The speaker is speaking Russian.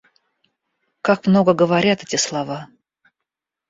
Как много говорят эти слова.